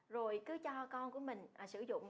rồi cứ cho con của mình sử dụng